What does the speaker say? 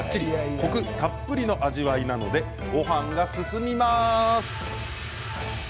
コクたっぷりの味わいなのでごはんが進みます。